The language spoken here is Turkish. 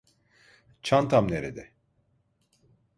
Çantam nerede?